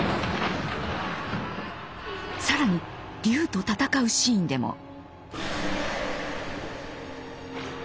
更に龍と戦うシーンでも。